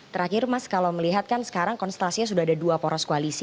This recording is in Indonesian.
terakhir mas kalau melihat kan sekarang konstelasinya sudah ada dua poros koalisi